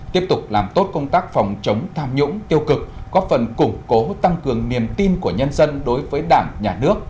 tiếp tục làm tốt công tác phòng chống tham nhũng tiêu cực góp phần củng cố tăng cường niềm tin của nhân dân đối với đảng nhà nước